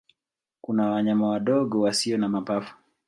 Kuna wanyama wadogo wasio na mapafu.